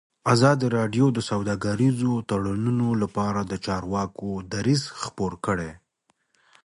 ازادي راډیو د سوداګریز تړونونه لپاره د چارواکو دریځ خپور کړی.